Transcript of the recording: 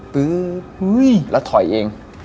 แล้วถอยเอง